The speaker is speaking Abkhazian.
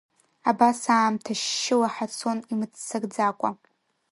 Абас аамҭа шьшьылаҳа цон имыццакӡакәа.